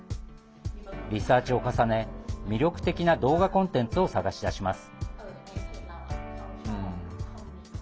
リサーチを重ね魅力的な動画コンテンツを探し出します。